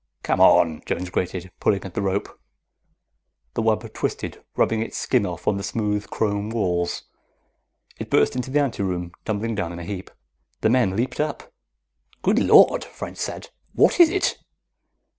"Come on," Jones grated, pulling at the rope. The wub twisted, rubbing its skin off on the smooth chrome walls. It burst into the ante room, tumbling down in a heap. The men leaped up. "Good Lord," French said. "What is it?"